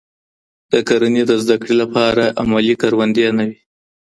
د کرنې د زده کړې لپاره عملي کروندې نه وي.